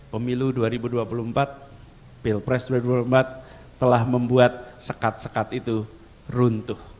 pemilu dua ribu dua puluh empat pilpres dua ribu dua puluh empat telah membuat sekat sekat itu runtuh